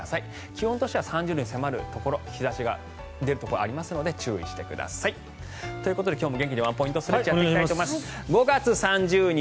気温としては３０度に迫るところ日差しが出るところがありますので注意してください。ということで今日も元気にワンポイントストレッチやっていきたいと思います。